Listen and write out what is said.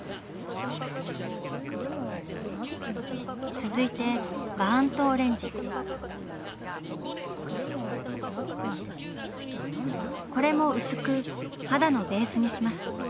続いてこれも薄く肌のベースにします。